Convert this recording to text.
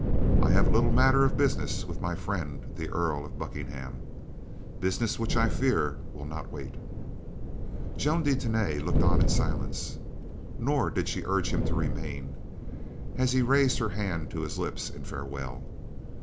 "I have a little matter of business with my friend, the Earl of Buckingham. Business which I fear will not wait." Joan de Tany looked on in silence. Nor did she urge him to remain, as he raised her hand to his lips in farewell.